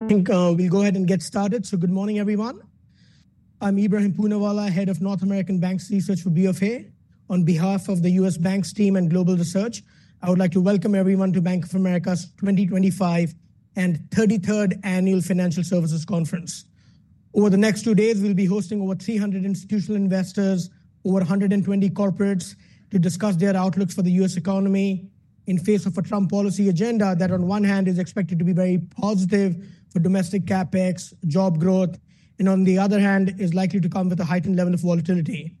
I think we'll go ahead and get started. So, good morning, everyone. I'm Ebrahim Poonawala, Head of North American Banks Research for BofA. On behalf of the U.S. Banks team and Global Research, I would like to welcome everyone to Bank of America's 2025 and 33rd annual financial services conference. Over the next two days, we'll be hosting over 300 institutional investors, over 120 corporates, to discuss their outlooks for the U.S. economy in face of a Trump policy agenda that, on one hand, is expected to be very positive for domestic CapEx, job growth, and on the other hand, is likely to come with a heightened level of volatility.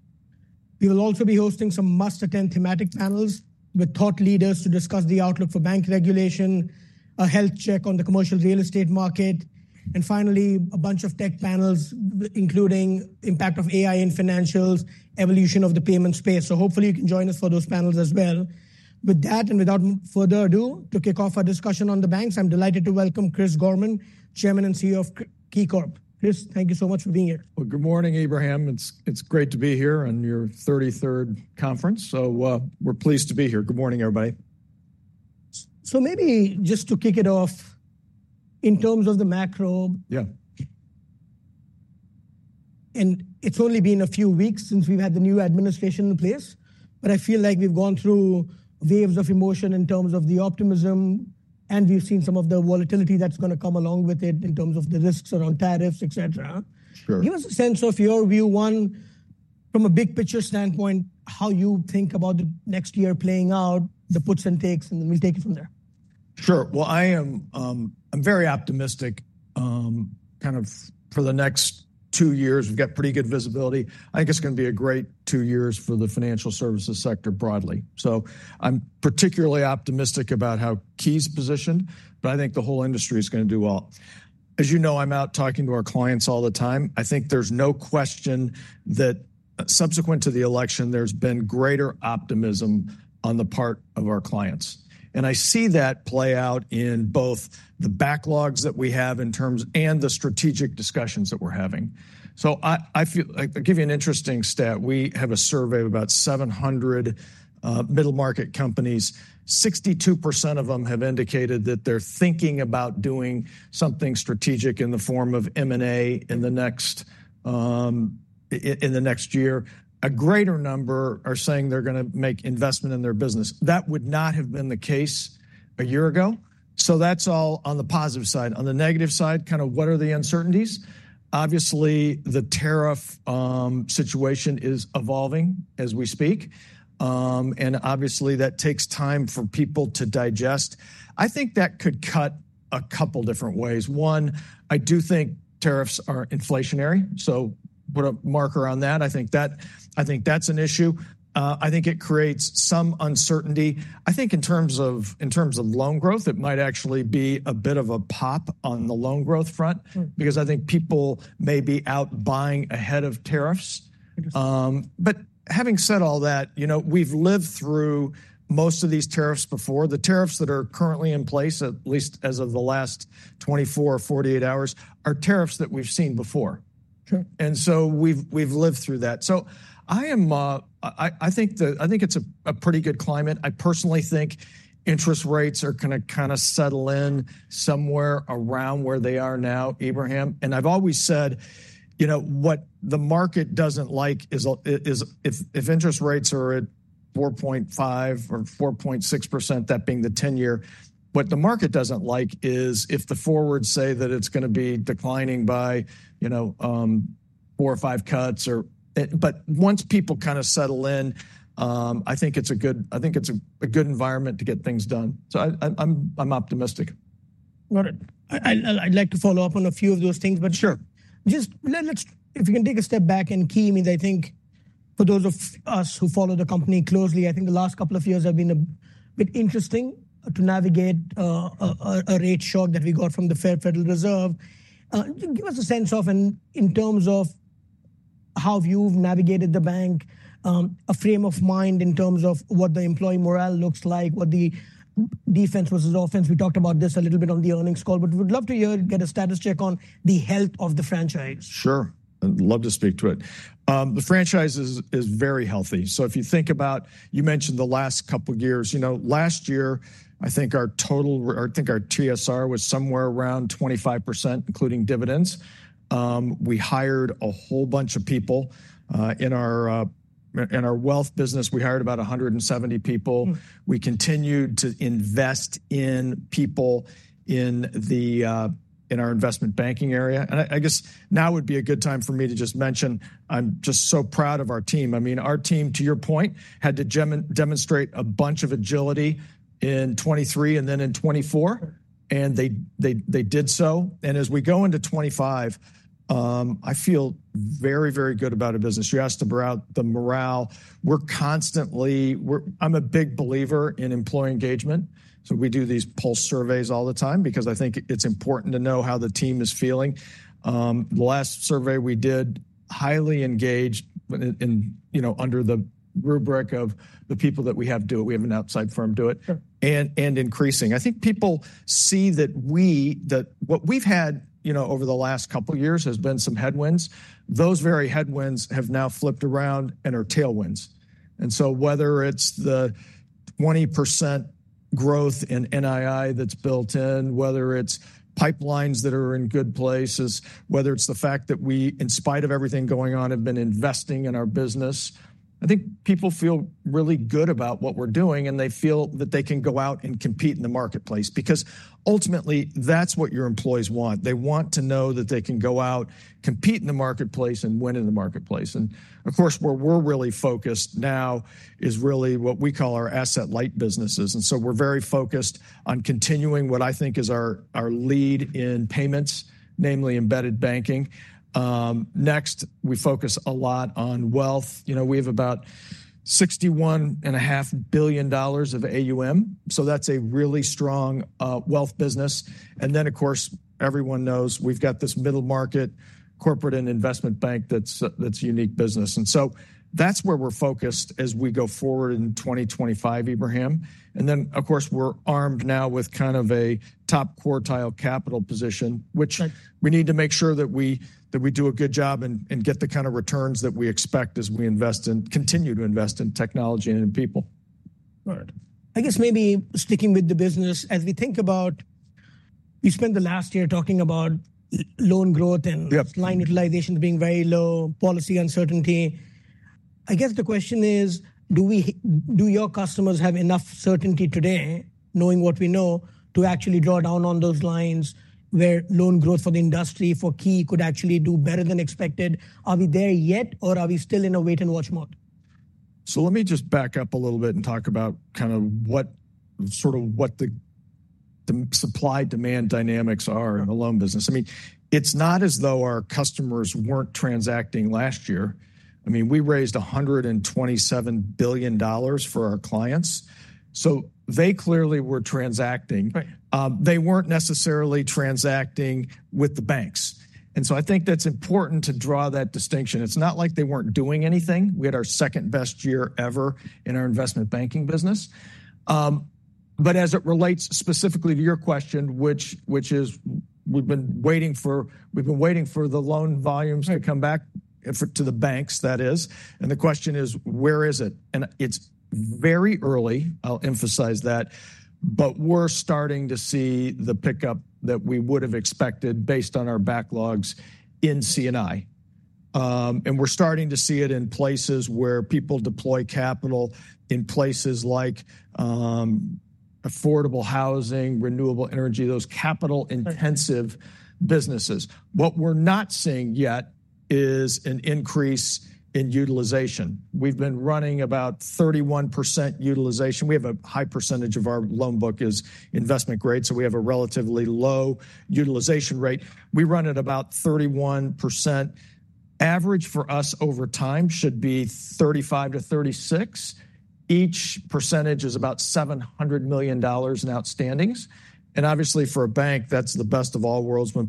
We will also be hosting some must-attend thematic panels with thought leaders to discuss the outlook for bank regulation, a health check on the commercial real estate market, and finally, a bunch of tech panels, including the impact of AI in financials, and the evolution of the payment space. So, hopefully, you can join us for those panels as well. With that, and without further ado, to kick off our discussion on the banks, I'm delighted to welcome Chris Gorman, Chairman and CEO of KeyCorp. Chris, thank you so much for being here. Good morning, Ebrahim. It's great to be here on your 33rd conference. We're pleased to be here. Good morning, everybody. So, maybe just to kick it off, in terms of the macro. Yeah. It's only been a few weeks since we've had the new administration in place, but I feel like we've gone through waves of emotion in terms of the optimism, and we've seen some of the volatility that's going to come along with it in terms of the risks around tariffs, etc. Sure. Give us a sense of your view, one, from a big-picture standpoint, how you think about the next year playing out, the puts and takes, and then we'll take it from there. Sure. Well, I'm very optimistic kind of for the next two years. We've got pretty good visibility. I think it's going to be a great two years for the financial services sector broadly. So, I'm particularly optimistic about how Key's positioned, but I think the whole industry is going to do well. As you know, I'm out talking to our clients all the time. I think there's no question that subsequent to the election, there's been greater optimism on the part of our clients. And I see that play out in both the backlogs that we have in terms and the strategic discussions that we're having. So, I'll give you an interesting stat. We have a survey of about 700 middle-market companies. 62% of them have indicated that they're thinking about doing something strategic in the form of M&A in the next year. A greater number are saying they're going to make investment in their business. That would not have been the case a year ago. So, that's all on the positive side. On the negative side, kind of what are the uncertainties? Obviously, the tariff situation is evolving as we speak, and obviously, that takes time for people to digest. I think that could cut a couple of different ways. One, I do think tariffs are inflationary. So, put a marker on that. I think that's an issue. I think it creates some uncertainty. I think in terms of loan growth, it might actually be a bit of a pop on the loan growth front because I think people may be out buying ahead of tariffs, but having said all that, you know we've lived through most of these tariffs before. The tariffs that are currently in place, at least as of the last 24 or 48 hours, are tariffs that we've seen before. And so, we've lived through that. So, I think it's a pretty good climate. I personally think interest rates are going to kind of settle in somewhere around where they are now, Ebrahim. And I've always said, you know what the market doesn't like is if interest rates are at 4.5% or 4.6%, that being the 10-year, what the market doesn't like is if the forwards say that it's going to be declining by four or five cuts. But once people kind of settle in, I think it's a good environment to get things done. So, I'm optimistic. Got it. I'd like to follow up on a few of those things, but just if you can take a step back and key in. I think for those of us who follow the company closely, I think the last couple of years have been a bit interesting to navigate, a rate shock that we got from the Federal Reserve. Give us a sense of, and in terms of how you've navigated the bank, a frame of mind in terms of what the employee morale looks like, what the defense versus offense. We talked about this a little bit on the earnings call, but we'd love to get a status check on the health of the franchise. Sure. I'd love to speak to it. The franchise is very healthy. So, if you think about, you mentioned the last couple of years, you know last year, I think our total, I think our TSR was somewhere around 25%, including dividends. We hired a whole bunch of people. In our wealth business, we hired about 170 people. We continued to invest in people in our investment banking area. And I guess now would be a good time for me to just mention, I'm just so proud of our team. I mean, our team, to your point, had to demonstrate a bunch of agility in 2023 and then in 2024, and they did so. And as we go into 2025, I feel very, very good about our business. You asked about the morale. I'm a big believer in employee engagement. We do these pulse surveys all the time because I think it's important to know how the team is feeling. The last survey we did, highly engaged under the rubric of the people that we have do it, we have an outside firm do it, and increasing. I think people see that what we've had over the last couple of years has been some headwinds. Those very headwinds have now flipped around and are tailwinds. Whether it's the 20% growth in NII that's built in, whether it's pipelines that are in good places, whether it's the fact that we, in spite of everything going on, have been investing in our business, I think people feel really good about what we're doing, and they feel that they can go out and compete in the marketplace because ultimately, that's what your employees want. They want to know that they can go out, compete in the marketplace, and win in the marketplace. And of course, where we're really focused now is really what we call our asset light businesses. And so, we're very focused on continuing what I think is our lead in payments, namely embedded banking. Next, we focus a lot on wealth. You know we have about $61.5 billion of AUM. So, that's a really strong wealth business. And then, of course, everyone knows we've got this middle market corporate and investment bank that's a unique business. And so, that's where we're focused as we go forward in 2025, Ebrahim. And then, of course, we're armed now with kind of a top quartile capital position, which we need to make sure that we do a good job and get the kind of returns that we expect as we invest and continue to invest in technology and in people. All right. I guess maybe sticking with the business, as we think about, you spent the last year talking about loan growth and line utilization being very low, policy uncertainty. I guess the question is, do your customers have enough certainty today, knowing what we know, to actually draw down on those lines where loan growth for the industry for Key could actually do better than expected? Are we there yet, or are we still in a wait-and-watch mode? So, let me just back up a little bit and talk about kind of sort of what the supply-demand dynamics are in the loan business. I mean, it's not as though our customers weren't transacting last year. I mean, we raised $127 billion for our clients. So, they clearly were transacting. They weren't necessarily transacting with the banks. And so, I think that's important to draw that distinction. It's not like they weren't doing anything. We had our second-best year ever in our investment banking business. But as it relates specifically to your question, which is we've been waiting for the loan volumes to come back to the banks, that is. And the question is, where is it? And it's very early, I'll emphasize that, but we're starting to see the pickup that we would have expected based on our backlogs in C&I. We're starting to see it in places where people deploy capital in places like affordable housing, renewable energy, those capital-intensive businesses. What we're not seeing yet is an increase in utilization. We've been running about 31% utilization. We have a high percentage of our loan book is investment grade, so we have a relatively low utilization rate. We run at about 31%. Average for us over time should be 35%-36%. Each percentage is about $700 million in outstandings. And obviously, for a bank, that's the best of all worlds when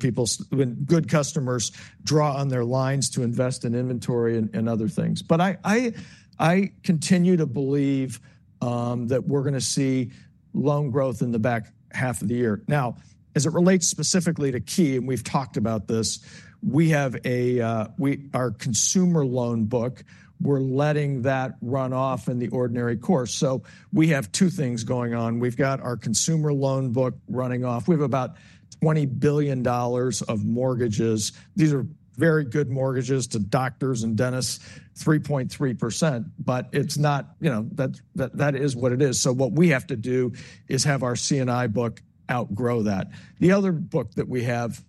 good customers draw on their lines to invest in inventory and other things. But I continue to believe that we're going to see loan growth in the back half of the year. Now, as it relates specifically to Key, and we've talked about this, we have our consumer loan book. We're letting that run off in the ordinary course. So, we have two things going on. We've got our consumer loan book running off. We have about $20 billion of mortgages. These are very good mortgages to doctors and dentists, 3.3%, but that is what it is. So, what we have to do is have our C&I book outgrow that. The other book that we have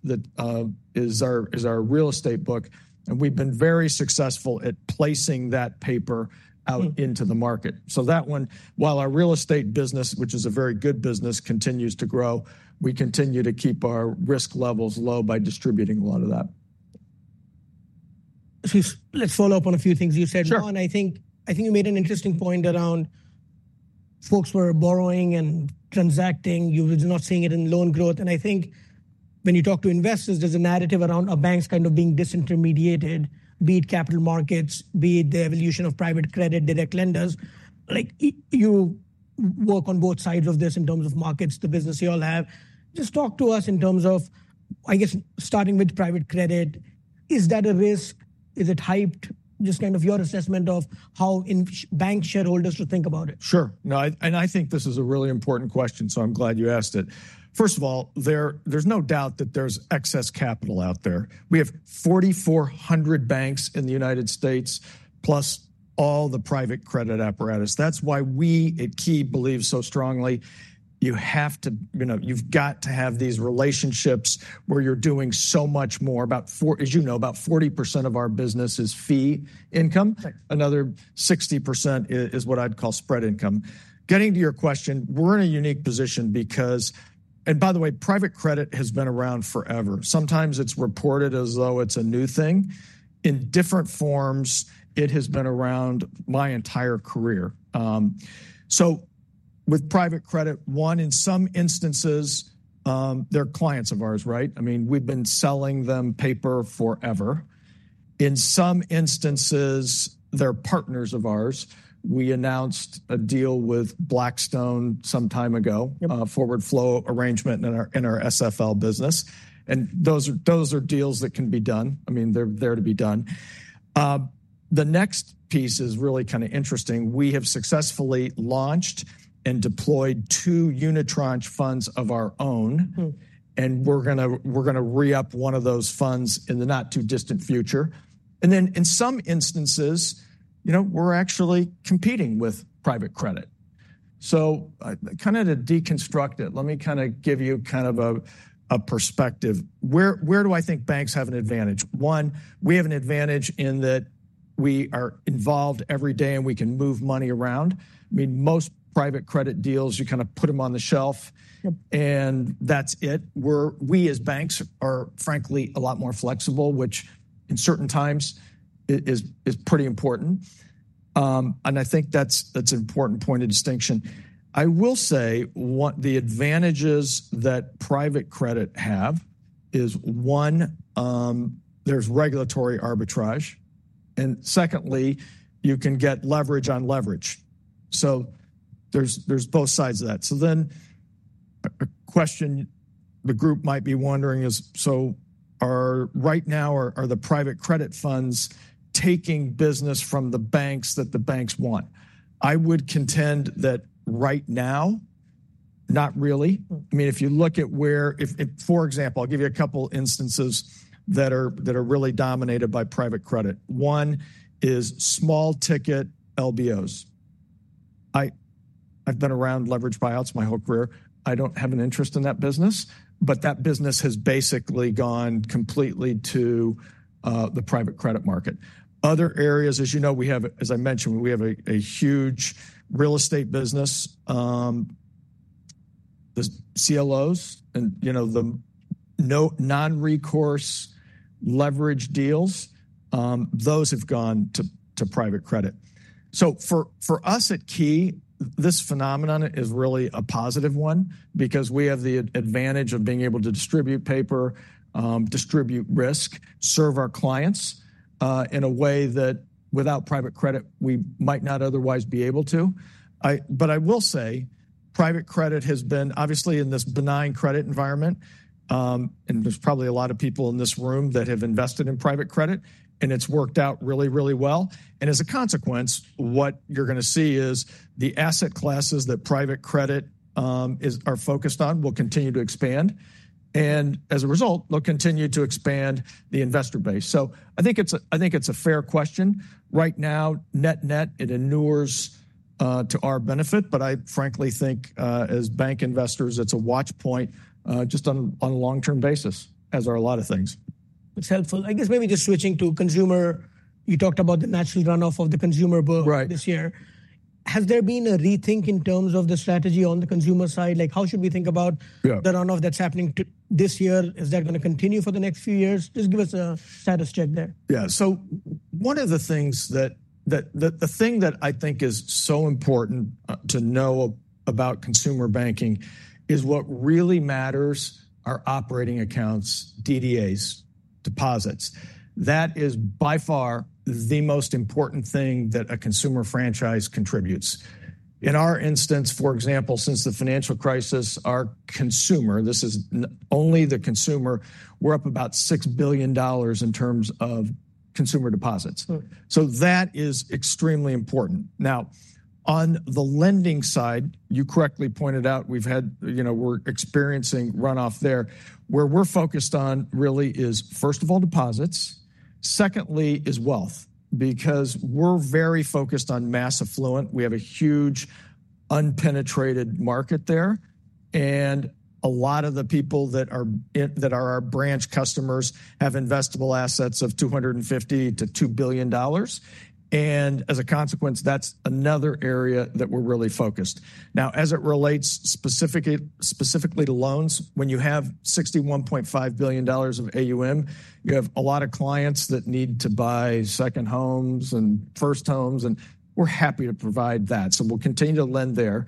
is our real estate book, and we've been very successful at placing that paper out into the market. So, that one, while our real estate business, which is a very good business, continues to grow, we continue to keep our risk levels low by distributing a lot of that. Let's follow up on a few things you said. Sure. I think you made an interesting point around folks who are borrowing and transacting. You're not seeing it in loan growth, and I think when you talk to investors, there's a narrative around our banks kind of being disintermediated, be it capital markets, be it the evolution of private credit, direct lenders. You work on both sides of this in terms of markets, the business you all have. Just talk to us in terms of, I guess, starting with private credit. Is that a risk? Is it hyped? Just kind of your assessment of how bank shareholders should think about it. Sure. No, and I think this is a really important question, so I'm glad you asked it. First of all, there's no doubt that there's excess capital out there. We have 4,400 banks in the United States, plus all the private credit apparatus. That's why we at Key believe so strongly you've got to have these relationships where you're doing so much more. As you know, about 40% of our business is fee income. Another 60% is what I'd call spread income. Getting to your question, we're in a unique position because, and by the way, private credit has been around forever. Sometimes it's reported as though it's a new thing. In different forms, it has been around my entire career. So, with private credit, one, in some instances, they're clients of ours, right? I mean, we've been selling them paper forever. In some instances, they're partners of ours. We announced a deal with Blackstone some time ago, a forward flow arrangement in our SFL business. And those are deals that can be done. I mean, they're there to be done. The next piece is really kind of interesting. We have successfully launched and deployed two unitranche funds of our own, and we're going to re-up one of those funds in the not-too-distant future. And then, in some instances, we're actually competing with private credit. So, kind of to deconstruct it, let me kind of give you kind of a perspective. Where do I think banks have an advantage? One, we have an advantage in that we are involved every day and we can move money around. I mean, most private credit deals, you kind of put them on the shelf and that's it. We, as banks, are frankly a lot more flexible, which in certain times is pretty important. And I think that's an important point of distinction. I will say the advantages that private credit have is, one, there's regulatory arbitrage. And secondly, you can get leverage on leverage. So, there's both sides of that. So then, a question the group might be wondering is, so right now, are the private credit funds taking business from the banks that the banks want? I would contend that right now, not really. I mean, if you look at where, for example, I'll give you a couple of instances that are really dominated by private credit. One is small ticket LBOs. I've been around leveraged buyouts my whole career. I don't have an interest in that business, but that business has basically gone completely to the private credit market. Other areas, as you know, as I mentioned, we have a huge real estate business. The CLOs and the non-recourse leverage deals, those have gone to private credit. So, for us at Key, this phenomenon is really a positive one because we have the advantage of being able to distribute paper, distribute risk, serve our clients in a way that without private credit, we might not otherwise be able to. But I will say private credit has been obviously in this benign credit environment, and there's probably a lot of people in this room that have invested in private credit, and it's worked out really, really well. And as a consequence, what you're going to see is the asset classes that private credit is focused on will continue to expand. And as a result, they'll continue to expand the investor base. So, I think it's a fair question. Right now, net-net it inures to our benefit, but I frankly think as bank investors, it's a watch point just on a long-term basis, as are a lot of things. It's helpful. I guess maybe just switching to consumer, you talked about the natural runoff of the consumer book this year. Has there been a rethink in terms of the strategy on the consumer side? Like, how should we think about the runoff that's happening this year? Is that going to continue for the next few years? Just give us a status check there. Yeah. So, one of the things that I think is so important to know about consumer banking is what really matters are operating accounts, DDAs, deposits. That is by far the most important thing that a consumer franchise contributes. In our instance, for example, since the financial crisis, our consumer, this is only the consumer, we're up about $6 billion in terms of consumer deposits. So, that is extremely important. Now, on the lending side, you correctly pointed out, we're experiencing runoff there. Where we're focused on really is, first of all, deposits. Secondly is wealth because we're very focused on mass affluent. We have a huge unpenetrated market there. And a lot of the people that are our branch customers have investable assets of $250-$2 billion. And as a consequence, that's another area that we're really focused. Now, as it relates specifically to loans, when you have $61.5 billion of AUM, you have a lot of clients that need to buy second homes and first homes, and we're happy to provide that. So, we'll continue to lend there.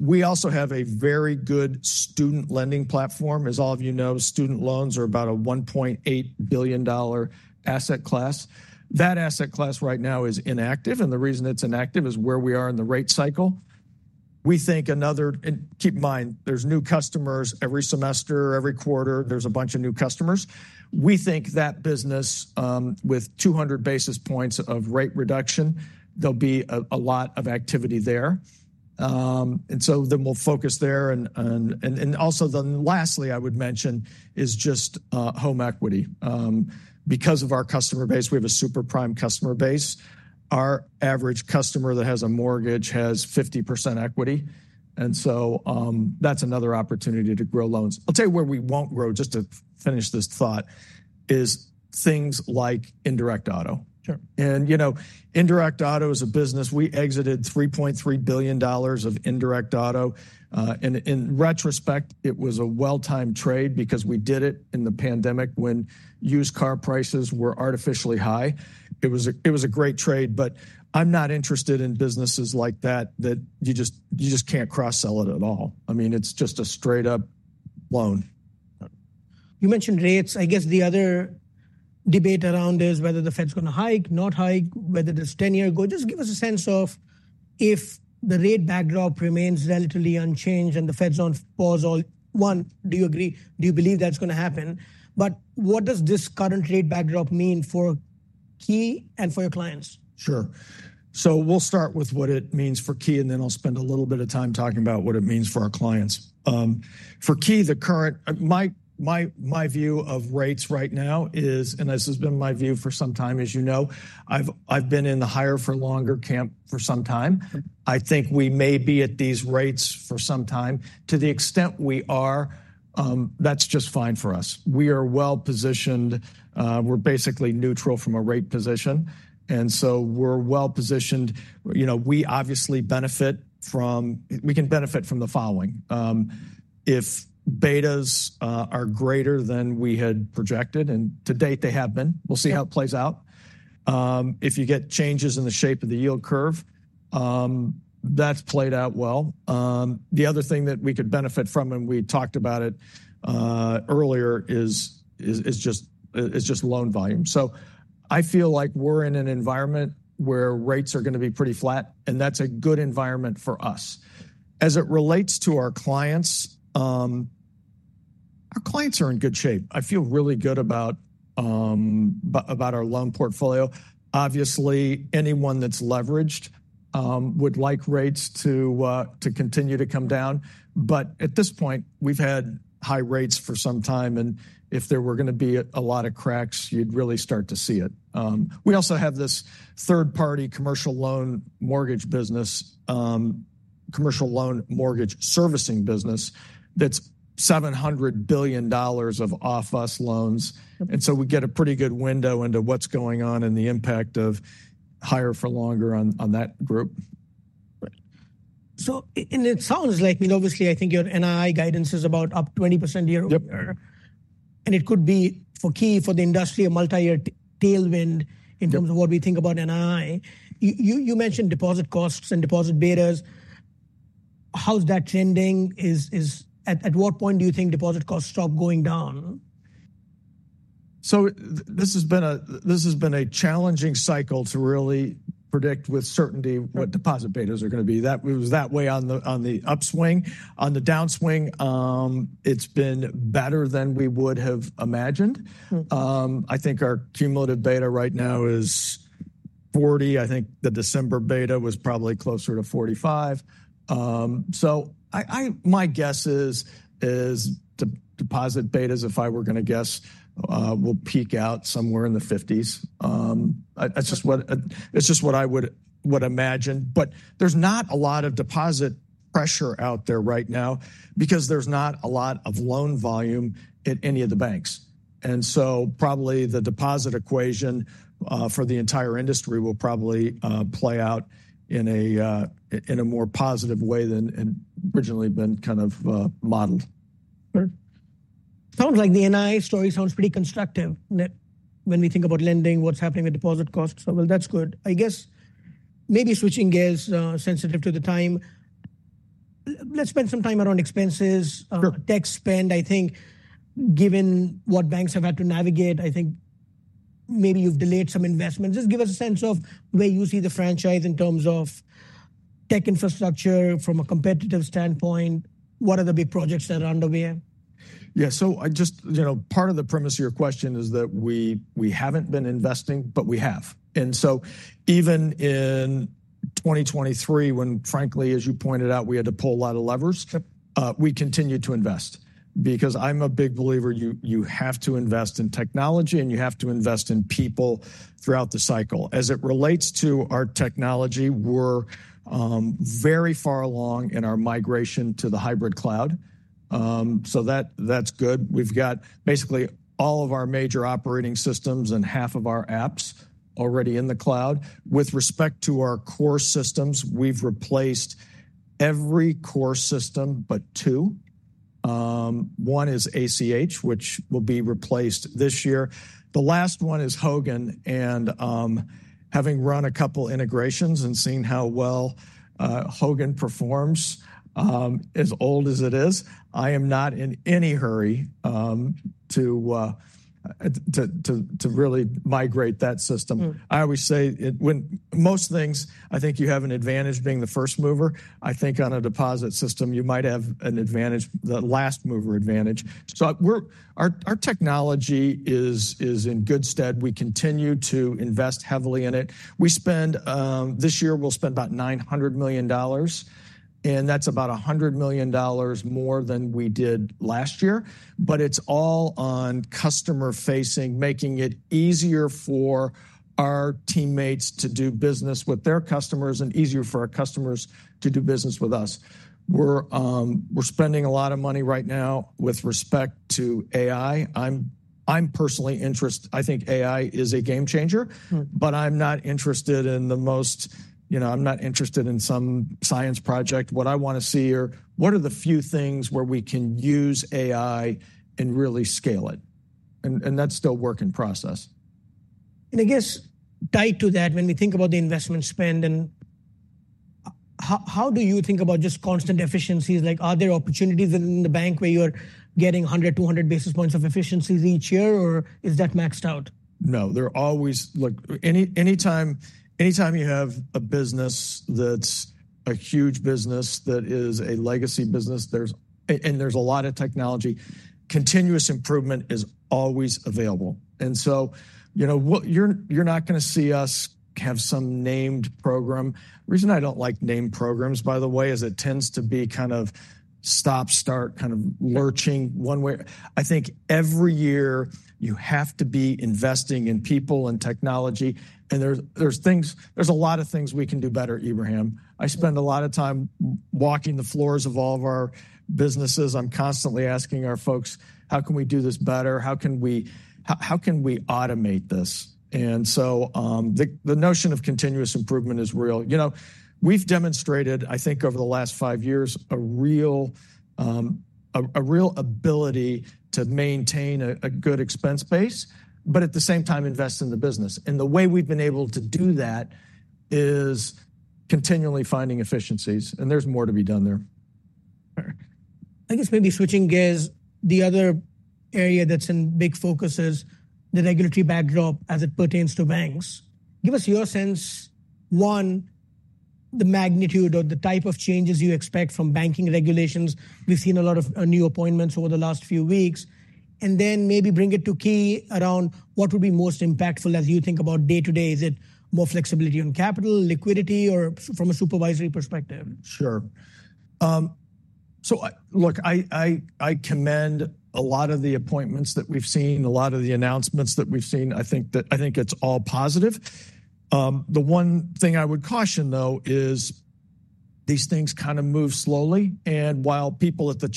We also have a very good student lending platform. As all of you know, student loans are about a $1.8 billion asset class. That asset class right now is inactive. And the reason it's inactive is where we are in the rate cycle. We think another and keep in mind, there's new customers every semester, every quarter. There's a bunch of new customers. We think that business with 200 basis points of rate reduction, there'll be a lot of activity there. And so, then we'll focus there. And also, then lastly, I would mention is just home equity. Because of our customer base, we have a super prime customer base. Our average customer that has a mortgage has 50% equity. And so, that's another opportunity to grow loans. I'll tell you where we won't grow, just to finish this thought, is things like indirect auto. And indirect auto is a business. We exited $3.3 billion of indirect auto. In retrospect, it was a well-timed trade because we did it in the pandemic when used car prices were artificially high. It was a great trade, but I'm not interested in businesses like that that you just can't cross-sell it at all. I mean, it's just a straight-up loan. You mentioned rates. I guess the other debate around is whether the Fed's going to hike, not hike, whether there's 10-year yield. Just give us a sense of if the rate backdrop remains relatively unchanged and the Fed's on pause at all. One, do you agree? Do you believe that's going to happen? But what does this current rate backdrop mean for Key and for your clients? Sure. So, we'll start with what it means for Key, and then I'll spend a little bit of time talking about what it means for our clients. For Key, my current view of rates right now is, and this has been my view for some time, as you know, I've been in the higher-for-longer camp for some time. I think we may be at these rates for some time. To the extent we are, that's just fine for us. We are well-positioned. We're basically neutral from a rate position. And so, we're well-positioned. We obviously can benefit from the following. If betas are greater than we had projected, and to date, they have been, we'll see how it plays out. If you get changes in the shape of the yield curve, that's played out well. The other thing that we could benefit from, and we talked about it earlier, is just loan volume. So, I feel like we're in an environment where rates are going to be pretty flat, and that's a good environment for us. As it relates to our clients, our clients are in good shape. I feel really good about our loan portfolio. Obviously, anyone that's leveraged would like rates to continue to come down. But at this point, we've had high rates for some time, and if there were going to be a lot of cracks, you'd really start to see it. We also have this third-party commercial mortgage loan business, commercial mortgage loan servicing business that's $700 billion of off-us loans. And so, we get a pretty good window into what's going on and the impact of higher-for-longer on that group. So, and it sounds like, I mean, obviously, I think your NII guidance is about up 20% a year. And it could be for Key, for the industry, a multi-year tailwind in terms of what we think about NII. You mentioned deposit costs and deposit betas. How's that trending? At what point do you think deposit costs stop going down? This has been a challenging cycle to really predict with certainty what deposit betas are going to be. It was that way on the upswing. On the downswing, it's been better than we would have imagined. I think our cumulative beta right now is 40. I think the December beta was probably closer to 45. So, my guess is deposit betas, if I were going to guess, will peak out somewhere in the 50s. It's just what I would imagine. But there's not a lot of deposit pressure out there right now because there's not a lot of loan volume at any of the banks. And so, probably the deposit equation for the entire industry will probably play out in a more positive way than it originally been kind of modeled. Sounds like the NII story sounds pretty constructive when we think about lending, what's happening with deposit costs, well, that's good. I guess maybe switching gears, sensitive to the time, let's spend some time around expenses, tech spend. I think given what banks have had to navigate, I think maybe you've delayed some investments. Just give us a sense of where you see the franchise in terms of tech infrastructure from a competitive standpoint. What are the big projects that are underway? Yeah, so just part of the premise of your question is that we haven't been investing, but we have, and so even in 2023, when frankly, as you pointed out, we had to pull a lot of levers, we continued to invest because I'm a big believer you have to invest in technology and you have to invest in people throughout the cycle. As it relates to our technology, we're very far along in our migration to the hybrid cloud, so that's good. We've got basically all of our major operating systems and half of our apps already in the cloud. With respect to our core systems, we've replaced every core system, but two. One is ACH, which will be replaced this year. The last one is Hogan. Having run a couple of integrations and seen how well Hogan performs, as old as it is, I am not in any hurry to really migrate that system. I always say when most things, I think you have an advantage being the first mover. I think on a deposit system, you might have an advantage, the last mover advantage. Our technology is in good stead. We continue to invest heavily in it. This year, we'll spend about $900 million, and that's about $100 million more than we did last year. It's all on customer-facing, making it easier for our teammates to do business with their customers and easier for our customers to do business with us. We're spending a lot of money right now with respect to AI. I'm personally interested. I think AI is a game changer, but I'm not interested in, you know, some science project. What I want to see are the few things where we can use AI and really scale it. That's still a work in process. And I guess tied to that, when we think about the investment spend, how do you think about just constant efficiencies? Like, are there opportunities in the bank where you're getting 100, 200 basis points of efficiencies each year, or is that maxed out? No. Anytime you have a business that's a huge business that is a legacy business, and there's a lot of technology, continuous improvement is always available. And so, you know, you're not going to see us have some named program. The reason I don't like named programs, by the way, is it tends to be kind of stop-start kind of lurching one way. I think every year you have to be investing in people and technology. And there's a lot of things we can do better, Ebrahim. I spend a lot of time walking the floors of all of our businesses. I'm constantly asking our folks, how can we do this better? How can we automate this? And so, the notion of continuous improvement is real. You know, we've demonstrated, I think over the last five years, a real ability to maintain a good expense base, but at the same time, invest in the business. And the way we've been able to do that is continually finding efficiencies. And there's more to be done there. I guess maybe switching gears, the other area that's in big focus is the regulatory backdrop as it pertains to banks. Give us your sense, one, the magnitude or the type of changes you expect from banking regulations. We've seen a lot of new appointments over the last few weeks, and then maybe bring it to Key around what would be most impactful as you think about day-to-day. Is it more flexibility on capital, liquidity, or from a supervisory perspective? Sure. So, look, I commend a lot of the appointments that we've seen, a lot of the announcements that we've seen. I think it's all positive. The one thing I would caution, though, is these things kind of move slowly, and while people at the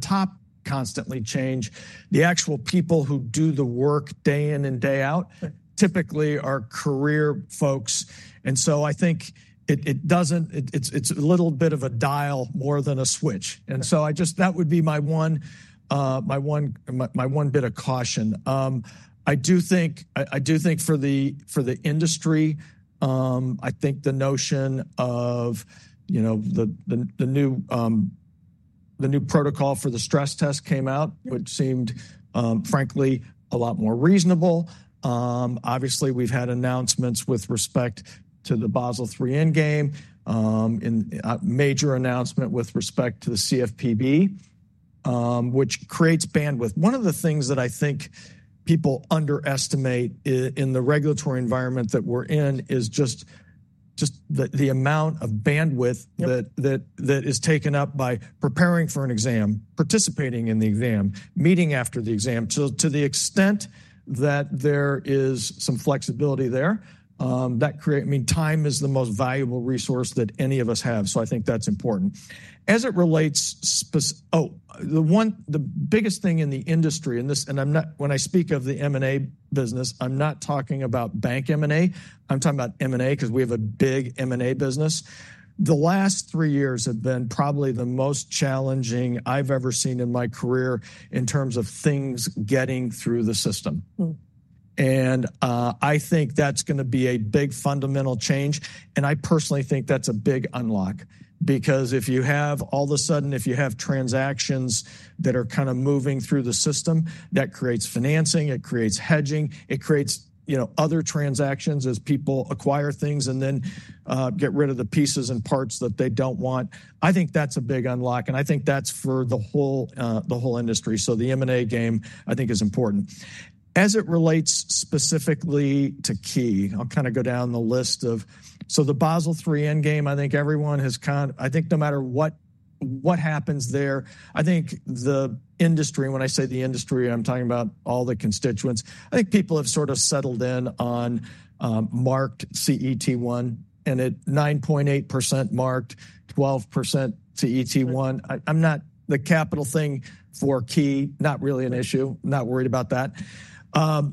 top constantly change, the actual people who do the work day in and day out typically are career folks, so I think it's a little bit of a dial more than a switch, so that would be my one bit of caution. I do think for the industry, I think the notion of the new protocol for the stress test came out, which seemed, frankly, a lot more reasonable. Obviously, we've had announcements with respect to the Basel III Endgame, a major announcement with respect to the CFPB, which creates bandwidth. One of the things that I think people underestimate in the regulatory environment that we're in is just the amount of bandwidth that is taken up by preparing for an exam, participating in the exam, meeting after the exam. To the extent that there is some flexibility there, that creates, I mean, time is the most valuable resource that any of us have, so I think that's important. As it relates, oh, the biggest thing in the industry, and when I speak of the M&A business, I'm not talking about bank M&A. I'm talking about M&A because we have a big M&A business. The last three years have been probably the most challenging I've ever seen in my career in terms of things getting through the system, and I think that's going to be a big fundamental change. I personally think that's a big unlock because if you have all of a sudden, if you have transactions that are kind of moving through the system, that creates financing, it creates hedging, it creates other transactions as people acquire things and then get rid of the pieces and parts that they don't want. I think that's a big unlock. I think that's for the whole industry. The M&A game, I think, is important. As it relates specifically to Key, I'll kind of go down the list of, so the Basel III Endgame, I think everyone has kind of, I think no matter what happens there, I think the industry, when I say the industry, I'm talking about all the constituents, I think people have sort of settled in on marked CET1 and at 9.8% marked, 12% CET1. The capital thing for Key, not really an issue. I'm not worried about that.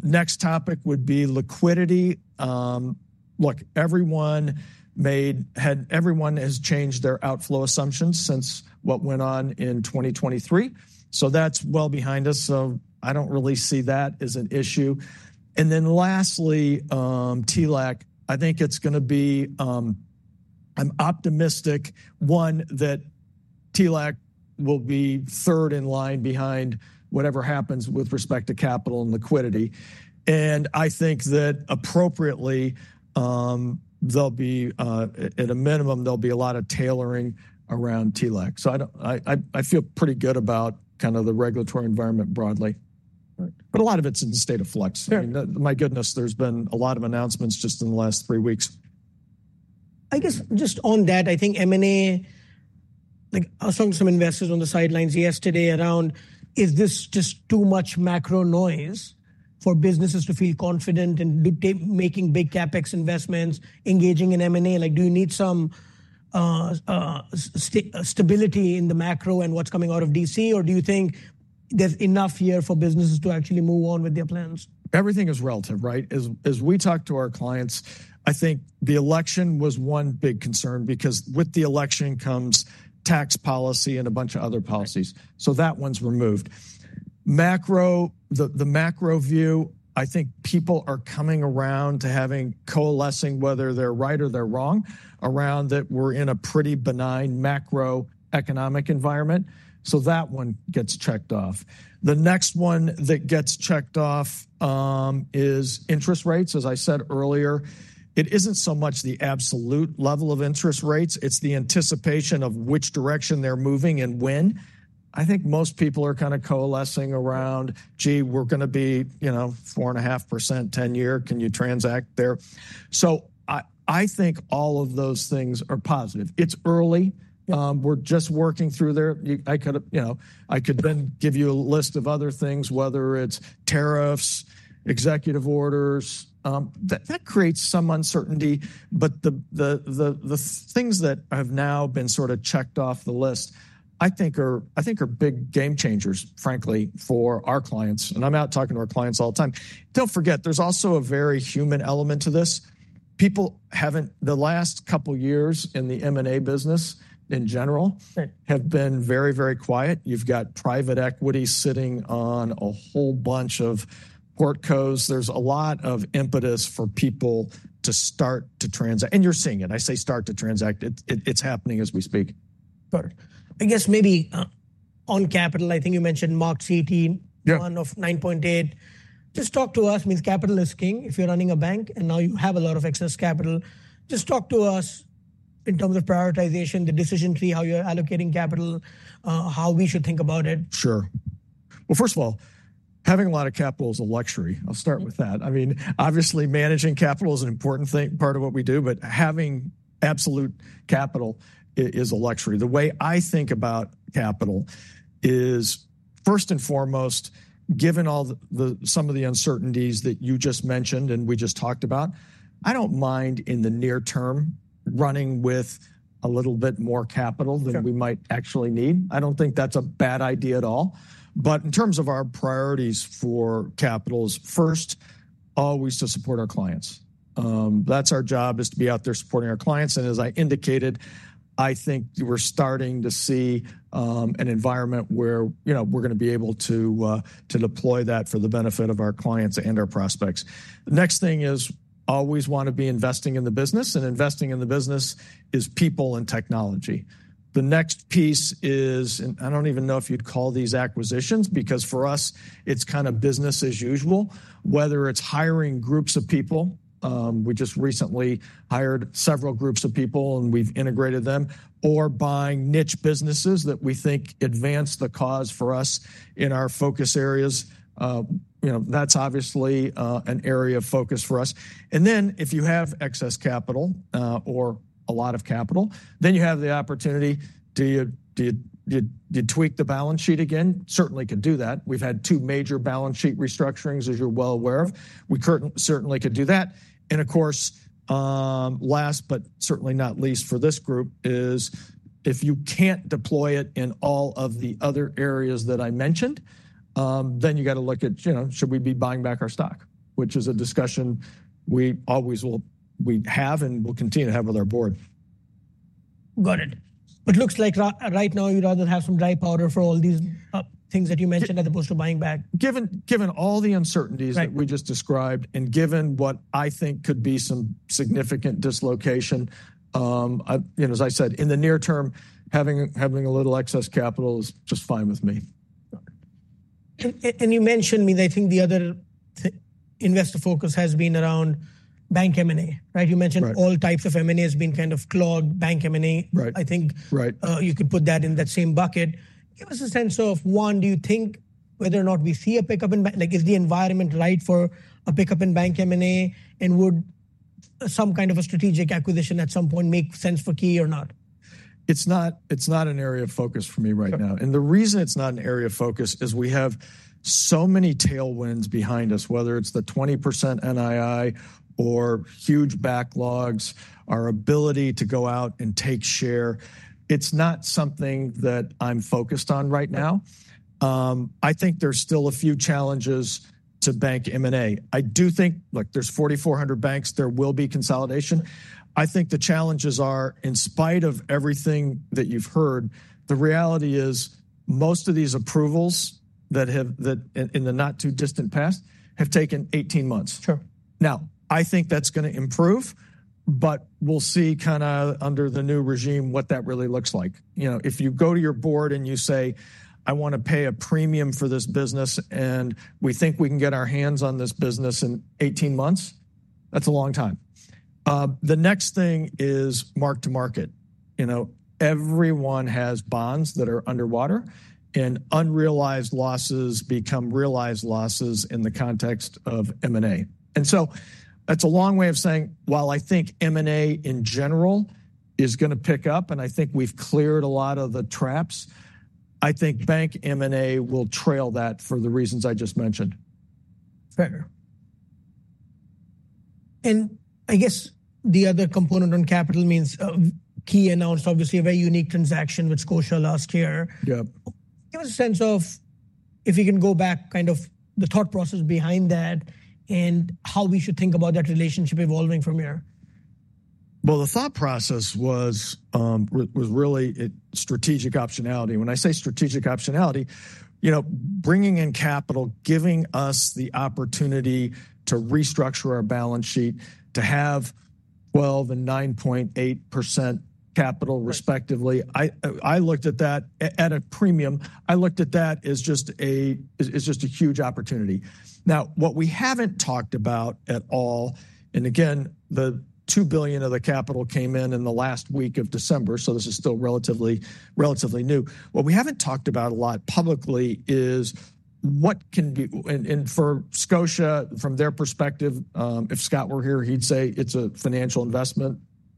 Next topic would be liquidity. Look, everyone has changed their outflow assumptions since what went on in 2023. So, that's well behind us. So, I don't really see that as an issue. And then lastly, TLAC, I think it's going to be, I'm optimistic, one that TLAC will be third in line behind whatever happens with respect to capital and liquidity. And I think that appropriately, at a minimum, there'll be a lot of tailoring around TLAC. So, I feel pretty good about kind of the regulatory environment broadly. But a lot of it's in the state of flux. My goodness, there's been a lot of announcements just in the last three weeks. I guess just on that, I think M&A, I was talking to some investors on the sidelines yesterday around, is this just too much macro noise for businesses to feel confident in making big CapEx investments, engaging in M&A? Like, do you need some stability in the macro and what's coming out of DC, or do you think there's enough here for businesses to actually move on with their plans? Everything is relative, right? As we talk to our clients, I think the election was one big concern because with the election comes tax policy and a bunch of other policies. So, that one's removed. The macro view, I think people are coming around to having coalescing, whether they're right or they're wrong, around that we're in a pretty benign macroeconomic environment. So, that one gets checked off. The next one that gets checked off is interest rates. As I said earlier, it isn't so much the absolute level of interest rates. It's the anticipation of which direction they're moving and when. I think most people are kind of coalescing around, gee, we're going to be 4.5% 10-year. Can you transact there? So, I think all of those things are positive. It's early. We're just working through there. I could then give you a list of other things, whether it's tariffs, executive orders. That creates some uncertainty. But the things that have now been sort of checked off the list, I think are big game changers, frankly, for our clients. And I'm out talking to our clients all the time. Don't forget, there's also a very human element to this. The last couple of years in the M&A business in general have been very, very quiet. You've got private equity sitting on a whole bunch of portcos. There's a lot of impetus for people to start to transact. And you're seeing it. I say start to transact. It's happening as we speak. I guess maybe on capital, I think you mentioned mark-to-market CET1 of 9.8%. Just talk to us. I mean, capital is king if you're running a bank, and now you have a lot of excess capital. Just talk to us in terms of prioritization, the decision tree, how you're allocating capital, how we should think about it. Sure. Well, first of all, having a lot of capital is a luxury. I'll start with that. I mean, obviously, managing capital is an important thing, part of what we do, but having absolute capital is a luxury. The way I think about capital is, first and foremost, given some of the uncertainties that you just mentioned and we just talked about, I don't mind in the near term running with a little bit more capital than we might actually need. I don't think that's a bad idea at all. But in terms of our priorities for capital, first, always to support our clients. That's our job, is to be out there supporting our clients. And as I indicated, I think we're starting to see an environment where we're going to be able to deploy that for the benefit of our clients and our prospects. The next thing is we always want to be investing in the business, and investing in the business is people and technology. The next piece is, and I don't even know if you'd call these acquisitions because for us, it's kind of business as usual, whether it's hiring groups of people. We just recently hired several groups of people and we've integrated them, or buying niche businesses that we think advance the cause for us in our focus areas. That's obviously an area of focus for us. And then if you have excess capital or a lot of capital, then you have the opportunity to tweak the balance sheet again. Certainly could do that. We've had two major balance sheet restructurings, as you're well aware of. We certainly could do that. Of course, last but certainly not least for this group is if you can't deploy it in all of the other areas that I mentioned, then you got to look at, should we be buying back our stock, which is a discussion we always will have and will continue to have with our board. Got it. But it looks like right now you'd rather have some dry powder for all these things that you mentioned as opposed to buying back. Given all the uncertainties that we just described and given what I think could be some significant dislocation, as I said, in the near term, having a little excess capital is just fine with me. You mentioned, I mean, I think the other investor focus has been around bank M&A, right? You mentioned all types of M&A has been kind of clogged, bank M&A. I think you could put that in that same bucket. Give us a sense of, one, do you think whether or not we see a pickup in bank, like is the environment right for a pickup in bank M&A and would some kind of a strategic acquisition at some point make sense for Key or not? It's not an area of focus for me right now, and the reason it's not an area of focus is we have so many tailwinds behind us, whether it's the 20% NII or huge backlogs, our ability to go out and take share. It's not something that I'm focused on right now. I think there's still a few challenges to bank M&A. I do think, look, there's 4,400 banks. There will be consolidation. I think the challenges are, in spite of everything that you've heard, the reality is most of these approvals in the not too distant past have taken 18 months. Now, I think that's going to improve, but we'll see kind of under the new regime what that really looks like. If you go to your board and you say, "I want to pay a premium for this business and we think we can get our hands on this business in 18 months," that's a long time. The next thing is marked to market. Everyone has bonds that are underwater and unrealized losses become realized losses in the context of M&A. And so that's a long way of saying, while I think M&A in general is going to pick up and I think we've cleared a lot of the traps, I think bank M&A will trail that for the reasons I just mentioned. Fair. And I guess the other component on capital means Key announced, obviously, a very unique transaction with Scotia last year. Give us a sense of, if you can go back, kind of the thought process behind that and how we should think about that relationship evolving from here. The thought process was really strategic optionality. When I say strategic optionality, bringing in capital, giving us the opportunity to restructure our balance sheet, to have 12% and 9.8% capital respectively. I looked at that at a premium. I looked at that as just a huge opportunity. Now, what we haven't talked about at all, and again, the $2 billion of the capital came in in the last week of December, so this is still relatively new. What we haven't talked about a lot publicly is what can, and for Scotia, from their perspective, if Scott were here, he'd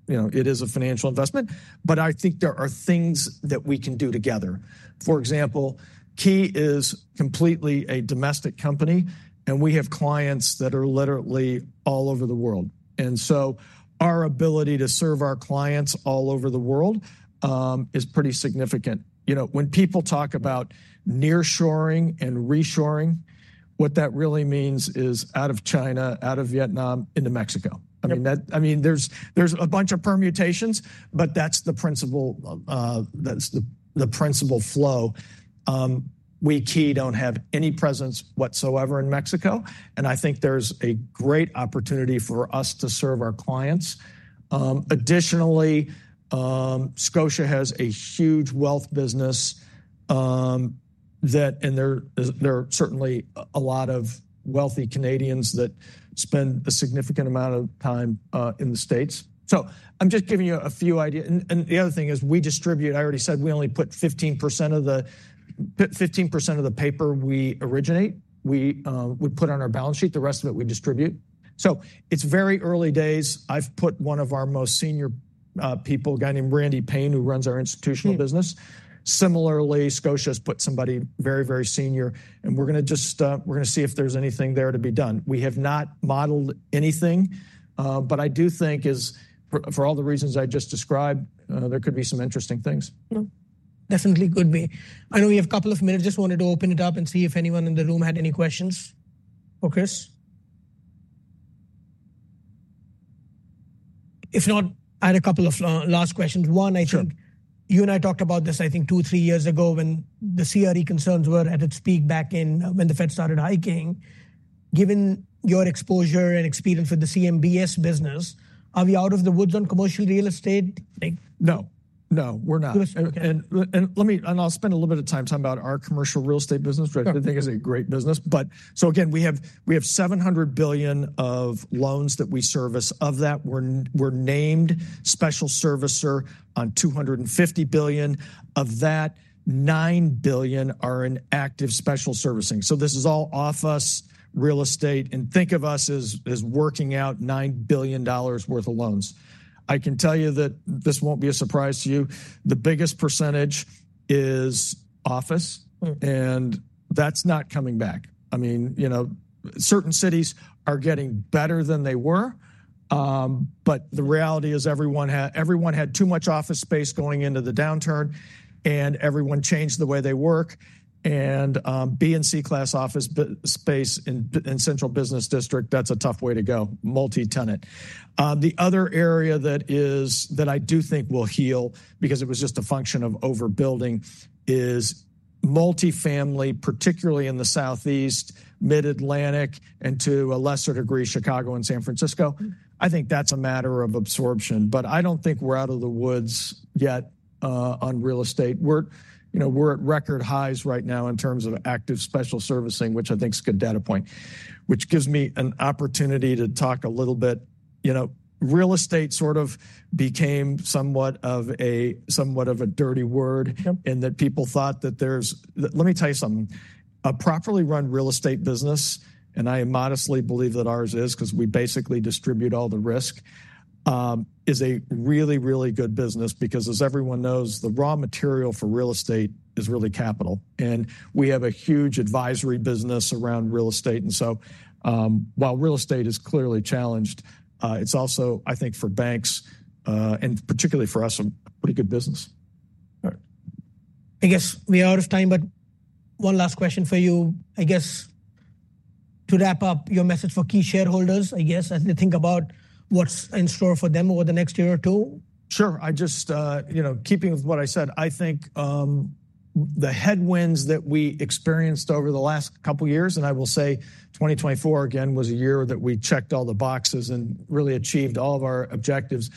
say it's a financial investment. It is a financial investment. But I think there are things that we can do together. For example, Key is completely a domestic company and we have clients that are literally all over the world. And so our ability to serve our clients all over the world is pretty significant. When people talk about nearshoring and reshoring, what that really means is out of China, out of Vietnam, into Mexico. I mean, there's a bunch of permutations, but that's the principle flow. We, Key, don't have any presence whatsoever in Mexico. And I think there's a great opportunity for us to serve our clients. Additionally, Scotia has a huge wealth business, and there are certainly a lot of wealthy Canadians that spend a significant amount of time in the States. So I'm just giving you a few ideas. And the other thing is we distribute, I already said we only put 15% of the paper we originate. We put on our balance sheet. The rest of it we distribute. So it's very early days. I've put one of our most senior people, a guy named Randy Paine, who runs our institutional business. Similarly, Scotia has put somebody very, very senior, and we're going to see if there's anything there to be done. We have not modeled anything, but I do think for all the reasons I just described, there could be some interesting things. Definitely could be. I know we have a couple of minutes. Just wanted to open it up and see if anyone in the room had any questions. If not, I had a couple of last questions. One, I think you and I talked about this, I think two, three years ago when the CRE concerns were at its peak back in when the Fed started hiking. Given your exposure and experience with the CMBS business, are we out of the woods on commercial real estate? No, no, we're not, and I'll spend a little bit of time talking about our commercial real estate business, which I think is a great business, but so again, we have $700 billion of loans that we service. Of that, we're named special servicer on $250 billion. Of that, $9 billion are in active special servicing. So this is all office real estate, and think of us as working out $9 billion worth of loans. I can tell you that this won't be a surprise to you. The biggest percentage is office, and that's not coming back. I mean, certain cities are getting better than they were, but the reality is everyone had too much office space going into the downturn, and everyone changed the way they work. B- and C-class office space in Central Business District, that's a tough way to go, multi-tenant. The other area that I do think will heal because it was just a function of overbuilding is multi-family, particularly in the Southeast, Mid-Atlantic, and to a lesser degree, Chicago and San Francisco. I think that's a matter of absorption, but I don't think we're out of the woods yet on real estate. We're at record highs right now in terms of active special servicing, which I think is a good data point, which gives me an opportunity to talk a little bit. Real estate sort of became somewhat of a dirty word in that people thought that there's, let me tell you something. A properly run real estate business, and I modestly believe that ours is because we basically distribute all the risk, is a really, really good business because, as everyone knows, the raw material for real estate is really capital. We have a huge advisory business around real estate. So while real estate is clearly challenged, it's also, I think, for banks and particularly for us, a pretty good business. I guess we are out of time, but one last question for you. I guess to wrap up your message for Key shareholders, I guess, as they think about what's in store for them over the next year or two. Sure. Keeping with what I said, I think the headwinds that we experienced over the last couple of years, and I will say 2024 again was a year that we checked all the boxes and really achieved all of our objectives.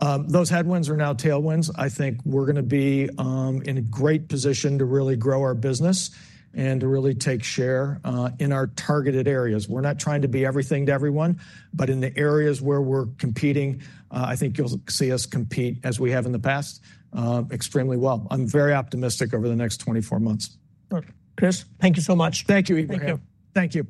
Those headwinds are now tailwinds. I think we're going to be in a great position to really grow our business and to really take share in our targeted areas. We're not trying to be everything to everyone, but in the areas where we're competing, I think you'll see us compete as we have in the past extremely well. I'm very optimistic over the next 24 months. Chris, thank you so much. Thank you. Thank you.